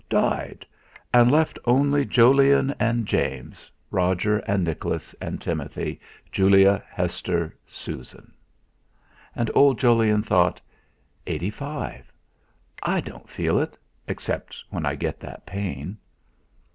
Died! and left only Jolyon and James, Roger and Nicholas and Timothy, Julia, Hester, Susan! And old Jolyon thought: 'Eighty five! I don't feel it except when I get that pain.'